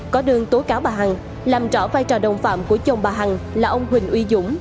có đơn tố cáo bà hằng làm rõ vai trò đồng phạm của chồng bà hằng là ông huỳnh uy dũng